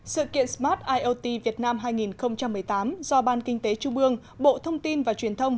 sự kiện smart iot việt nam hai nghìn một mươi tám do ban kinh tế trung ương bộ thông tin và truyền thông